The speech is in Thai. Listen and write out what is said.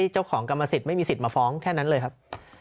เจ้าของกรรมสิทธิไม่มีสิทธิ์มาฟ้องแค่นั้นเลยครับ